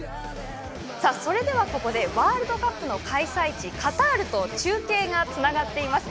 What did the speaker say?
それでは、ここでワールドカップの開催地カタールと中継がつながっています。